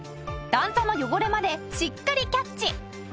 段差の汚れまでしっかりキャッチ！